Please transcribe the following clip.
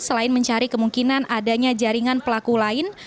selain mencari kemungkinan adanya jaringan pelaku lain